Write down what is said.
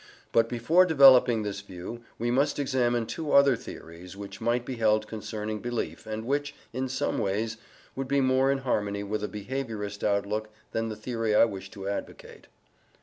But before developing this view, we must examine two other theories which might be held concerning belief, and which, in some ways, would be more in harmony with a behaviourist outlook than the theory I wish to advocate.